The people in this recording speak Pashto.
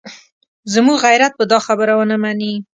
زموږ غیرت به دا خبره ونه مني.